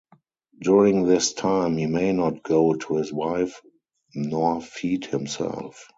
During this time he may not go to his wife nor feed himself.